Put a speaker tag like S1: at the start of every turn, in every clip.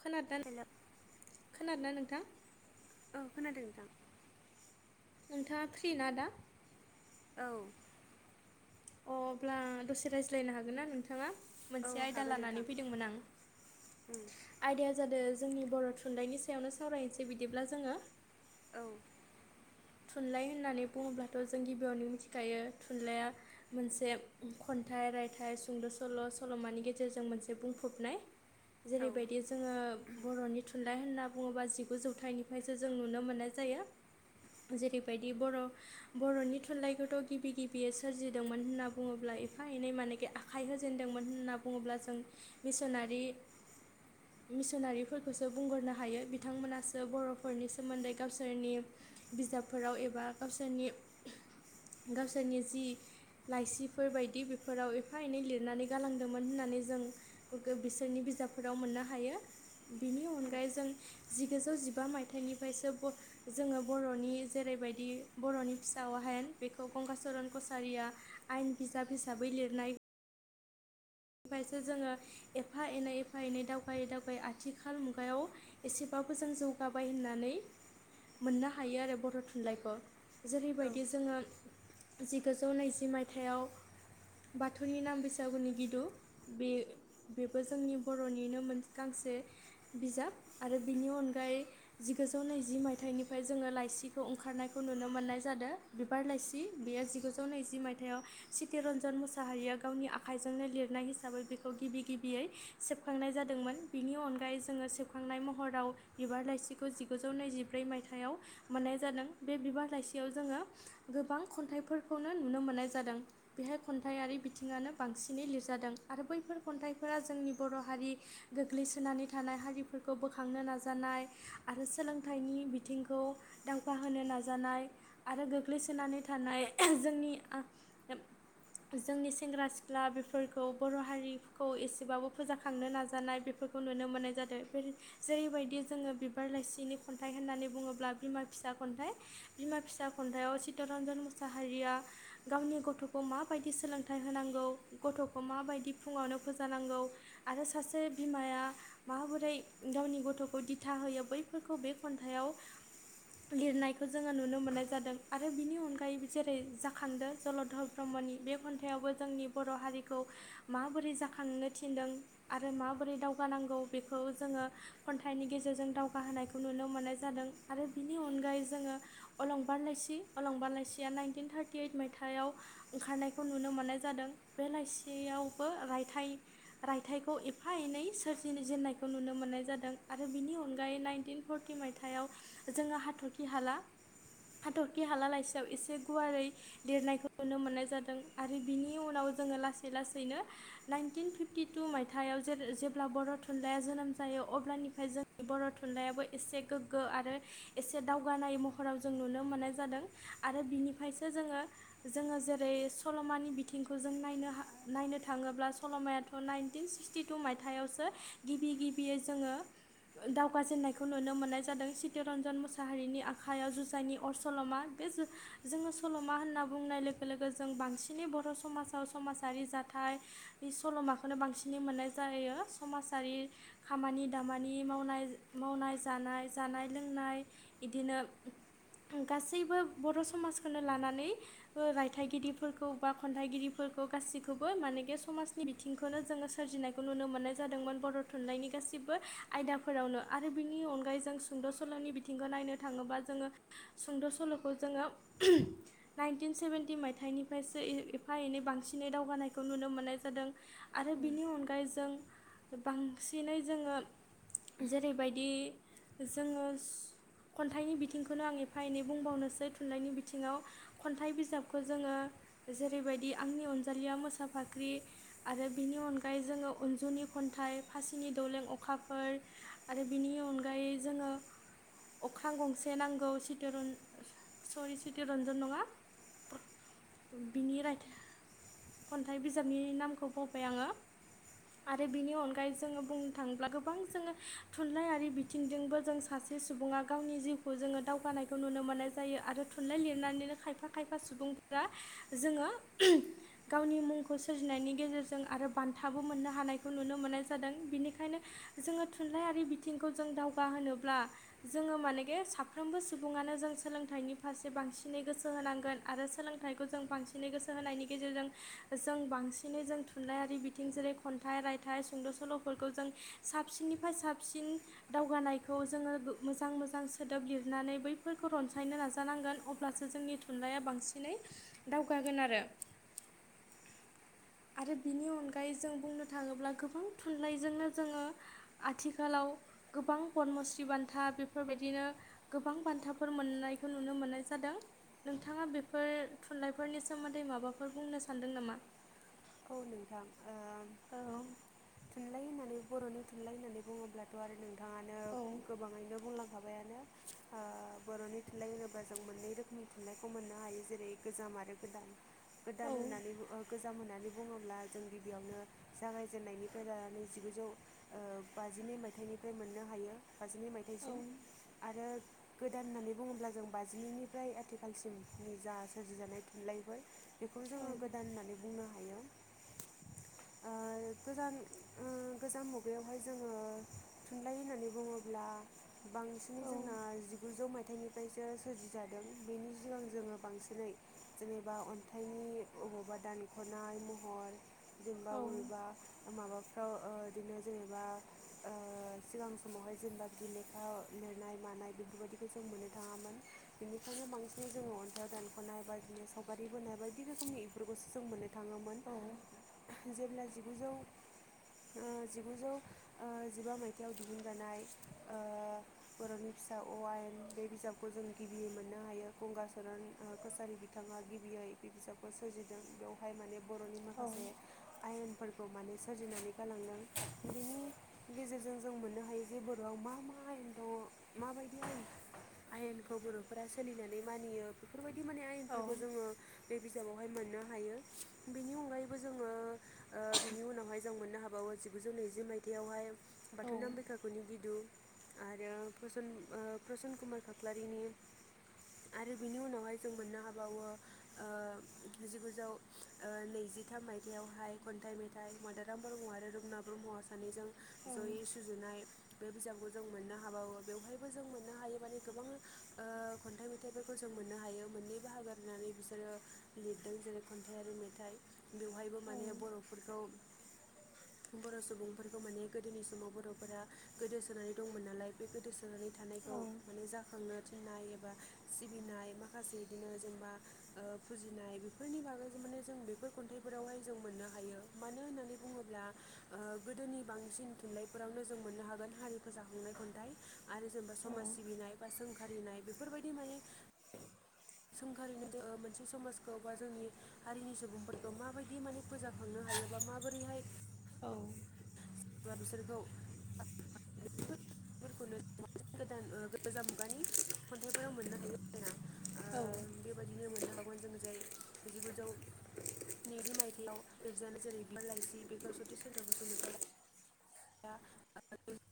S1: खोन
S2: हेल' औ
S1: खोनादोंनाा नोंथां?
S2: औ खोनादों नोंथां
S1: नोंथाङा फ्रि ना दा?
S2: औ
S1: अ अब्ला दसे रायज्लायनो हागोन ना नोंथाङा?
S2: औ
S1: मोनसे आयदा
S2: हागोन नोंथां
S1: लानानै फैदोंमोन आं
S2: उम
S1: आयदाया जादों जोंनि बर' थुनलाइनि सायावनो सावरायनोसै बिदिब्ला जोङो
S2: औ
S1: थुनलाइ होननानै बुङोब्लाथ' जों गिबियावनो मिथिखायो थुनलाइया मोनसे खन्थाइ रायथाइ सुंद' सल' सल'मानि गेजेरजों मोनसे बुंफबनाय।
S2: औ
S1: जेरैबायदि जोङो बर'नि थुनुलाइ होन्ना बुङोब्ला जिगु जौथाइनिफ्रायसो जों नुनो मोननाय जायो। जेरैबायदि बर' बर'नि थुनलाइखौथ' गिबि गिबियै सोरजिदोंमोन होनना बुङोब्ला एफा एनै मानेखि आ आखाइ होजेनदोंमोन होनना बुङोब्ला जों मिसननारि मिसनारिफोरखौसो बुंग्रोनो हायो बिथांमोनासो बर'फोरनि सोमोन्दै गावसोरनि बिजाबफोराव एबा गावसोरनि गावसोरनि जि लाइसिफोर बायदि बेफोराव एफा एनै लिरनानै गालांदोंमोन होननानै जों बिसोरनि बिजाबफोराव मोननो हायो। बिनि
S2: उम
S1: अनगायै जों जिगुजौ जिबा मायथाइनिफ्रायसो जोङो बर'नि जेरैबायदि बर'नि फिसायाव हायेन बेखौ गंगचरन कसारिया आयेन बिजाब हिसाबै लिरनाय फ्रायसो जोङो एफा एनै एफा एनै दावगै दावगायै आथिखाल मुगायाव एसेबाबो जों जौगाबाय होननानै मोननो हायो आरो बर' थुनलाइखौ।
S2: औ
S1: जेरैबायदि जोङो जिगुजौ नैजि मायथाइयाव बाथौनि नाम बैसागुनि गिदु बे बेबो जोंनि बर'निनो गांसे बिजाब आरो बिनि अनगायै जिगुजौ नैजि मायथाइनिफ्राय जोङो लाइसिखौ ओंखारनायखौ नुनो मोननाय जादों बिबार लाइसि बेयो जिगुजौ नैजि मायथाइाव सितिरन्जन मुसाहारिया गावनि आखाइजोंनो लिर खोबनाय हिसाबै बेखौ गिबि गिबियै सेबखांनाय जादोंमोन बेनि अनगायै जोङो सेबखांनाय महराव बिबार लाइसिखौ जिगुजौ नैजिब्रै मायथाइाव मोननाय जादों बे बिबार लाइसियाव जोङो गोबां खन्थाइफोरखौनो नुनो मोननाय जादों। बेहाय खन्थाइरारि बिथिङानो बांसिनै लिरजादों आरो बैफोर खन्थाइफोरा जोंनि बर' हारि गोग्लैसोनानै थानाय हारिफोरखौ बोखांनो नाजानाय आरो सोलोंथाइनि बिथिंखौ दावगा होनो नाजानाय आरो गोग्लैसोनानै थानाय जोंनि जोंनि सेंग्रा सिख्ला बेफोरखौ बर' हारि हारिखौ एसेबाबो फुजाखांनो नाजानाय बेफोरखौ नुनो मोन्नाय जादों बे जेरैबायदि जोङो बिबार लाइसिनि खन्थाइ होननानै बुङोब्ला बिमा फिसा खन्थाइ बिमा फिसा खन्थाइआव चितरन्जन मुसाहारिया गावनि गथ'खौ माबायदि सोलोंथाइ होनांगौ गथ'खौ माबायदि फुङावनो फोजानांगौ आरो सासे बिमाया माबोरै गावनि गथ'खौ दिथा होयो बैफोरखौ बे खन्थाइाव लिरनायखौ जोङो नुनो मोननाय जादों आरो बिनि अनगायै जेरै जाखांदो जलधर ब्रह्मनि बे खन्थाइावबो जोंनि बर' हारिखौ माबोरै जाखांनो थिनदों आरो माबोरै दावगानांगौ बेखौ जोङो खन्थाइनि गेजेरजों दावगाहोनायखौ नुनो मोननाय जादों। आरो बिनि अनगायै जोङो अलंबार लाइसि अलंबार लाइसिया नाइनटिन थार्टि ओइद मायथायाव ओंखारनायखौ नुनो मोननाय जादों बे लाइसियावबो रायथाइ रायथाइखौ एफा एनै सोरजिनि जेननायखौ नुनो मोन्नाय जादों आरो बिनि अनगायै नाइनटिन फरटि मायथाइआव जोङो हाथरखि हाला हाथरखि हाला लासियाव एसे गुवारै लिरनायखौ नुनो मोननाय जादों आरो बिनि उनाव जोङो लासै लासैनो नाइनटिन फिफटि टु मायथाइआव जेर जेब्ला बर' थुनलाइया जोनोम जायो अब्लानिफ्राय जों बर' थुनलाइयाबो एसे गोग्गो आरो एसे दावगानाय महराव जों नुनो मोननाय जादों आरो बिनिफायसो जोङो जोङो जेरै सल'मानि बिथिंखौ जों नायनो हा नायनो थाङोब्ला सल'मायाथ' नाइनटिन सिक्सटि टु मायथाइयावसो गिबि गिबियो जोङो दावगा जेननायखौ नुनो मोन्नाय जादों चितरन्जन मुसाहारिनि आखाइयाव जुजाइनि अर सल'मा बे जो-जोङो सल'मा होनना बुंनाय लोगो लोगो जों बांसिनै बर' समाज [unintelligible] समाजारि जाथाय बि सल'माखोनो बांसिनै मोननाय जायो समाजारि खामानि दामानि मावनाय मावनाय जानाय जानाय लोंनाय इदिनो गासैबो बर' समाजखोनो लानानै बो रायथाइगिरिफोरखौ बा खन्थाइगिरि फोरखौ गासिखौबो मानेखे समाजनि बिथिंखोनो जोङो सोरजिनायखौ नुनो मोननाय जादोंमोन बर' थुन्लाइनि गासिब्बो आयदाफोरावनो आरो बिनि अनगायै जों सुंद' सल'नि बिथिंखो नायनो थाङोबा जोङो सुंद' सल'खौ जोङो नाइनटिन सेभेन्टि मायथाइनिफ्रायसो इ एफा एनै बांसिनै दावगानायखौ नुनो मोननाय जादों आरो
S2: उम
S1: बेनि अनगायै जों बांसिनै जोङो जेरैबायदि जोङो खन्थाइनि बिथिंखौनो आं एफा एनै बुंबावनोसै थुनलाइनि बिथिङाव। खन्थाइ बिजाबखौ जोङो जेरैबायदि आंनि अनजालिया मोसा फाख्रि आरो बिनि अनगायै जोङो उन्जुनि खन्थाइ फासिनि दौलें अखाफोर आरो बिनि अनगायै जोङो अख्रां गंसे नांगौ सितरन सररि चितुरन्जन नङा बिनि रायथ खन्थाइ बिजाबनि नामखौ बावबाय आङो। आरो बिनि अनगायै जोङो बुंनो थाङोब्ला गोबां जोङो थुनलाइयारि बिथ थिंजोंबो जों सासे सुबुङा गावनि जिउखौ जोङो दावगानायखौ नुनो मोननाय जायो आरो थुनलाइ लिरनानैनो खायफा फा खायफा सुबुंफोरा जोङो गावनि मुंखौ सोरजिनायनि गेजेरजों आरो बान्थाबो मोननो हानायखौ नुनो मोननाय जादों बेनिखायनो जोङो थुनलाइयारि बिथिंखौ जों दावगा होनोब्ला जोङो मानेगे साफ्रोमबो सुबुङानो जों सोलोंथाइनि फारसे बांसिनै गोसो होनांगोन। आरो सोलोंथाइखौ जों बांसिनै गोसो हो-होनायनि गेजेरजों जों बांसिनै जों थुनलाइयारि बिथिं जेरै खन्थाइ रायथाइ सुंद' सल' फोरखौ जों साबसिननिफाय साबसिन दावगानायखौ जोङो गो मोजां मोजां सोदोब लिरनानै बैफोरखौ रनसायनो नाजानांगोन अ ब्लासो जोंनि थुनलाइया बांसिनै दावगागोन आरो। आरो बिनि अनगायै जों बुंनो थाङोब्ला गोबां थुनलाइजोंनो जोङो आथिखालाव गोबां पद्मस्रि बान्था बेफोरबायदिनो गोबां बान्थाफोर मोननायखौ नुनो मोननाय जादों। नोंथाङा बेफोर थुनलाइफोरनि सोमोन्दै माबाफोर बुंनो सान्दों नामा?
S2: औ नोंथां ओ
S1: औ।
S2: थुन्लाइ होननानै बर'नि थुनलाइ होननानै बुङोब्ला थ' आरो नोंथाङानो
S1: औ
S2: गोबाङैनो बुंलांखाबायानो। ओ बर'नि थुनलाइ होनोबा जों मोननै रोखोमनि थुनलाइखौ मोननो हायो जेरै गोजाम आरो गोदान।
S1: औ
S2: गोदान होननानै बो ओ गोजाम होन्नानै बुङोब्ला जों गिबियावनो जागायजेननायनि निफ्राय लानानै जिगुजौ ओ बाजिनै मायथाइनिफ्राय मोननो हायो। बाजिनै
S1: औ
S2: मायथाइसिम आरो गोदान होननानै बुङोब्ला जों बाजिनैनिफ्राय आथिखालसिमनि जा सोरजिजानाय थुनलाइफोर बेखौ
S1: औ
S2: जोङो गोदान होननानै बुंनो हायो ओ गोदान गोजाम मुगायावहाय जोङो थुनलाइ होननानै बुङोब्ला बांसिनै
S1: औ
S2: जोंना जिगुजौ मायथाइनि फ्रायसो सोरजिादों बेनि सिगां जोङो बांसिनै जेनेबा अन्थाइनि अबावबा दानख'नाय महर जेनेबा
S1: औ
S2: बबेबा माबाफ्राव बिदिनो जेनेबा सिगां समावहाय जेनेबा बिदि लेखा लिरनाय मानाय बेफोरबायदिखौ जों मोननो थाङामोन बेनिखायनो बांसिनै जोङो अन्थाइआव दानख'नाय बायदिनो सावगारि बोनाय बायदि रोखोमनि बेफोरखौसो जों मोननो थाङोमोन
S1: औ
S2: जेब्ला जिगुजौ जिगुजौ जिबा मायथाइाव दिहुनजानाय ओ बर'नि फिसा अ आयेन बे बिजाबखौ जों गिबियै मोननो हायो गंगचरन कसारि बिथाङा गिबियै बे बिजाबखौ सोरजिदों बेयाव हाय माने बर'नि
S1: औ
S2: माखासे
S1: औ
S2: आयेनफोरखौ माने सोरजिनानै गालांदों बिनि गेजेरजों जों मोननो हायो जे बर'आव मा मा आयेन दङ माबायदि आयेन आयेनखौ बर'फोरा सोलिनानै मानियो बेफोरबायदि माने आयेनफोरखौ जोङो बे बिजाबावहाय मोननो हायो बेनि अनगायैबो जोङो ओ बिनि उनावहाय जों मोननो हाबाय बाव जिगुजौ नैजि मायथायावहाय बाथौनाम बैखागुनि गिदु आरो प्रसन ओ प्रसन कुमार खाख्लारिनि आरो बिनि उनावहाय जों मोननो हाबावो ओ जिगुजौ नैजिथाम मायथाइयावहाय खन्थाइ मेथाइ मादाराम ब्रह्म आरो रुपनाथ ब्रह्मआ सानैजों जयै सुजुनाय बे बिजाबखौ जों मोननो हाबावो बेवहायबो जों मोननो हायो माने गोबां ओ खन्थाइ मेथाइफोरखौ जों मोननो हायो मोननै बाहागो गनानै बिसोरो लिरदों जेरै खन्थायारि मेथाइ बेवहायबो माने बर'फोरखौ बर' सुबुंफोरखौ माने गोदोनि समाव बर'फोरा गोदोसोनानै दंमोन नालाय बे गोदोसोनानै थानायखौ माने जाखां खांनो थिननाय एबा सिबिनाय माखासे इदिनो जेनेबा ओ फुजिनाय बेफोरनि बागै माने जों बेफोर खन्थाइफोरावहाय जों मोननो हायो मानो होननानै बुङोब्ला ओ गोदोनि बांसिन थुनलाइफोरावनो जों मोननो हागोन हारि फोजाखांनाय खन्थाइ आरो जेनेबा समाज सिबिनाय बा सोंखारिनाय बेफोरबायदि माने सोंखारिनो ओ मोनसे समाजखौ बा जोंनि हारिनि सुबुंफोरखौ माबायदि माने फोजाखांनो हायो बा माबोरैहाय
S1: औ
S2: बिसोरखौ [inaudible] गोदान गोजा मुगानि खन्थाइफोराव मोननो हायो आरोना ओ
S1: औ
S2: बेबायदिनो मोननो हागोन जों जाय जिगुजौ नैजि मायथाइयाव लिरजानो जेरै बिबार लाइसि बेफोर सति चन्द्र बसुमतारि [unintelligible]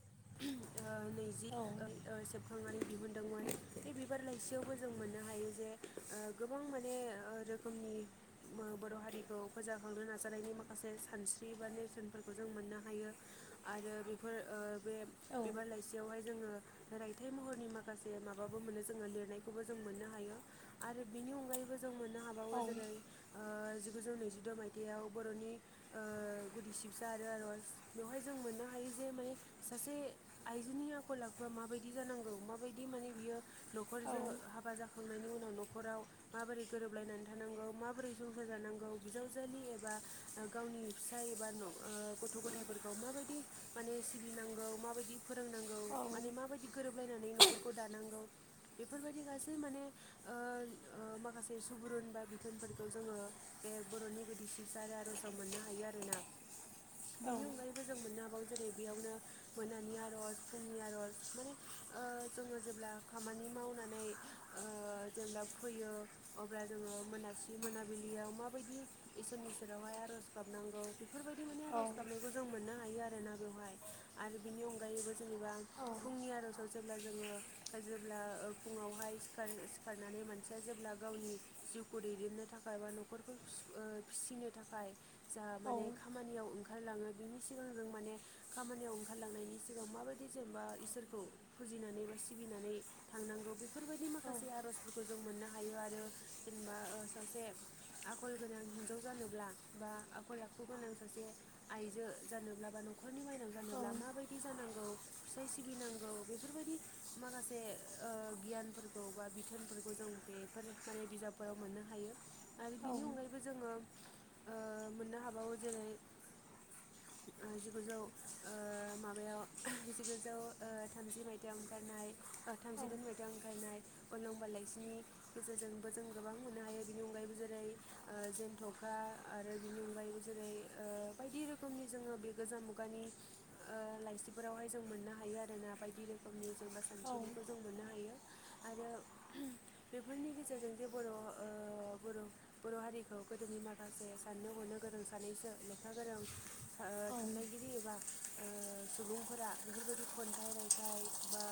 S2: खांनानै दिहुनदोंमोन बे बिबार लाइसियावबो जों मोननो हायो जे ओ गोबां माने रोखोमनि बर' हारिखौ फोजाखांनो नाजानायनि माखासे सानस्रि बा नेरसोनफोरखौ जों मोननो हायो आरो बेफोर बे बिबार लाइसि बेवहाय जोङो रायथाइ महरनि माखासे माबाबो मोनो जोङो लिरनायखौबो जों मोननो हायो। आरो बिनि अनगायैबो जों मोननो हाबावो जेरै ओ जिगुजौ नैजिद' मायथाइयाव बर'नि ओ गुदि सिबसा आरो आर'ज बेवहाय जों मोननो हायो जे माने सासे आइजोनि आखल आखुआ माबायदि जानांगौ माबायदि माने बियो नखरजों हाबा जाखा खांनायनि उनाव न'खराव माबोरै गोरोबलायनानै थानांगौ माबोरै संसार जानांगौ बिजावजालि एबा ओ गावनि फिसाय एबा न ओ गथ' गथायफोर माबायदि माने सिबिनांगौ माबायदि फोरोंनांगौ
S1: औ
S2: माने माबायदि गोरोबलायनानै न'खरखौ दानांगौ बेफोरबायदि गासै माने ओ ओ माखासे सुबुरुन बा बिथोनफोरखौ जोङो बे बरनि गुदि सिबसा आरो आरजाव मोननो हायो आरोना
S1: औ
S2: बेनि
S1: औ
S2: अनगायै जों मोननो हाबागौ जेरै बेयावनो मोनानि आरज फुंनि आरज माने ओ जोङो जेब्ला खामानि मावनानै ओ जेब्ला फैयो अब्ला जोङो मोनासि मोनाबिलियाव माबायदि इसोरनि सेरावहाय आरज गाबनांगौ बेफोरबायदि माने आरज गाबनायखौ जों मोननो हायो आरोना बेवहाय आरो बिनि अनगायैबो जेनेबा फुंनि आरजाव जेब्ला जोङो जेब्ला ओ फुङावहाय सिखार सिखारनानै मानसिया जेब्ला गावनि जिउखौ दैदेननो थाखाय बा नखरखौ ओ फिसिनो थाखाय जा माने खामानियाव ओंखारलाङो बिनि सिगां जों माने खामानियाव ओंखारलांनायनि सिगां माबायदि जेनेबा इसोरखौ फुजिनानै बा सिबिनानै थांनांगौ बेफोरबायदि माखासे आरजफोरखौ जों मोननो हायो आरो जेनेबा ओ सासे आखल गोनां हिनजाव जानोब्ला बा आखल आखु गोनां सासे जो जानोब्ला बा नखरनि माइनाव जानोब्ला मा बाय थि जानांगौ फिसाय सिबिनांगौ बेफोरबायदि माखासे ओ गियानफोरखौ बा बिथोनफोरखौ जों बेफोर माने बिजाब फोराव मोननो हायो आरो बेनि अनगायैबो जोङो ओ मोननो हाबावो जेरै ओ जिगुजौ ओ माबायाव जिगुजौ ओ थामजि मायथाइयाव ओंखारनाय ओ थामजिदाइन मायथाइ
S1: औ
S2: बिदांखायनाय अलंबार लाइसिनि गेजेरजोंबो जों गोबां मोननो हायो बिनि अनगायैबो जेरै ओ जेनथखा आरो बिनि अनगायैबो जेरै ओ बायदि रोखोम रोखोमनि जोङो बे गोजाम मुगानि ओ लाइसिफोरावहाय जों मोननो हायो आरोना बायदि रोखोमनि जेनेबा खानथिफोरखौ जों मोननो हायो आरो बेफोरनि गेजेरजों जे बर' ओ बर' बर हारिखौ गोदोनि माखासे साननो हनो गोरों सानैसो लेखा गोरों ओ थुनलाइगिरि एबा ओ सुबुंफोरा बेफोरबायदि खन्थाइ रायथाइ बा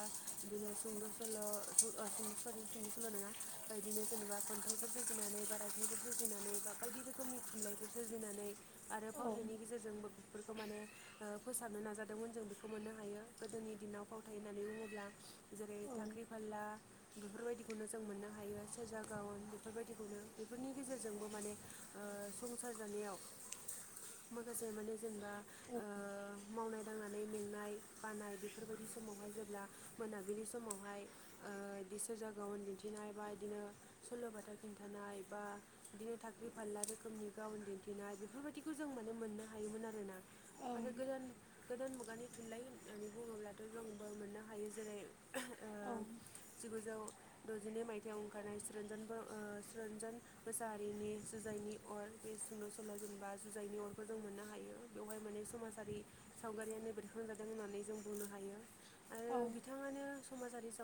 S2: बिदिनो सुंद' सल''सरि सुंद' सल' नङा ओ बिनो जेनेबा खन्थाइफोर सोरजिनानै बा रायथाइफोर सोरजिनानै बा बायदि रोखोमनि थुनलाइफोर सोरजिनानै आरो फावथायनि गेजेरजोंबो बेफोरखौ माने ओ फोसाबनो नाजादोंमोन जों बेखौ मोननो हायो गोदोनि दिनाव फावथाय होननानै बुङोब्ला जेरै थाखाख्रि फारला बेफोरबायदिखौनो जों मोननो हायो सेरजा गावन बेफोरबायदिखौनो बेफोरनि गेजेरजोंबो माने ओ संसार जानायाव माखासे माने जेनेबा ओ मावनाय दांनानै मेंनाय बानाय बेफोरबायदि समावहाय जेब्ला मोनाबिलि समावहाय ओ सोरजागायावनो दिन्थिनाय बा बिदिनो सल'बाथा खिन्थानाय बा बिदिनो थाखाख्रि फाला रोखोमनि गावन दिन्थिनाय बेफोरबायदिखौ जों माने मोननो हायोमोन आरोना आरो गोजान गोदान मुगानि थुनलाइ होननानै बुङोब्लाथ जोंबो मोननो हायो जेरै ओ जिगुजौ दजिनै मायथाइयाव ओंखारनाय‌ चितरन्जन बर' ओ चितरन्जन मोसाहारिनि जुजाइनि अर बे सुंद सल' जेनेबा जुजाइनि अरखो जों मोननो हायो बेवहाय माने समाजारि सावगारियानो बेरखां जादों होननानै जों बुंनो हायो। आरो बिथाङानो समाजारि साव